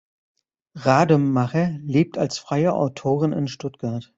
Rademacher lebt als freie Autorin in Stuttgart.